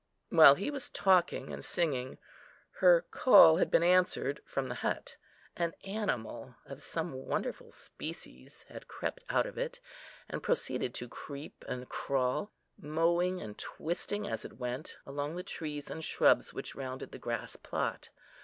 While he was talking and singing, her call had been answered from the hut. An animal of some wonderful species had crept out of it, and proceeded to creep and crawl, moeing and twisting as it went, along the trees and shrubs which rounded the grass plot.